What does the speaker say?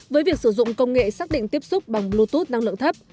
với việc sử dụng công nghệ xác định tiếp xúc bằng bluetooth năng lượng thấp